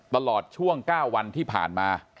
ตลอดช่วง๙วันที่ผ่านมา